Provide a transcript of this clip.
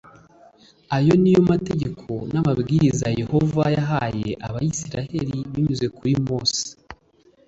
ayo ni yo mategeko n amabwiriza yehova yahaye abisirayeli binyuze kuri mose